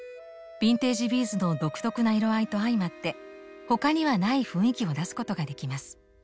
ビンテージビーズの独特な色合いと相まって他にはない雰囲気を出すことができます。